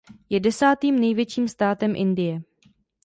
Je desátým největším státem Indie.